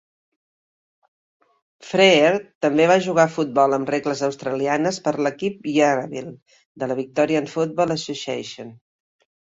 Freer també va jugar a futbol amb regles australianes per a l'equip Yarraville de la Victorian Football Association.